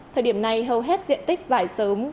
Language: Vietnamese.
thời điểm này hầu hết diện tích vải sớm